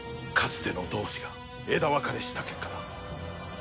かつての同志が枝分かれした結果だ。